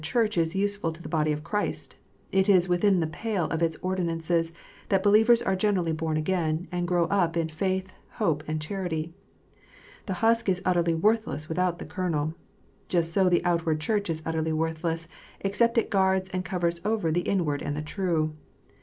Just so the out ward Church is useful to the body of Christ ; it is within the pale of its ordinances that believers are generally born again, and grow up in faith, hope, and charity. The husk is utterly worthless without the kernel. Just so the outward Church is utterly worthless except it guards and covers over the inward and the true.